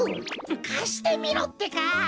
かしてみろってか！